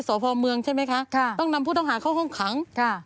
สพเมืองใช่ไหมคะต้องนำผู้ต้องหาเข้าห้องขังค่ะ